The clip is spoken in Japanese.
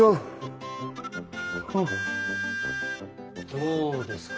どうですか？